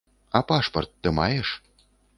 А пашпарт ты маеш?